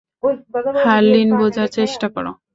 হারলিন, বুঝার চেষ্টা করো।